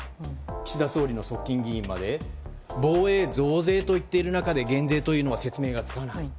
岸田総理の側近議員まで防衛増税と言っている中で減税というのは説明がつかない。